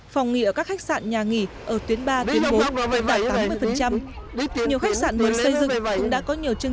phòng nghỉ ở các khách sạn nhà nghỉ ở tuyến ba tuyến bốn tuyến tám tuyến bảy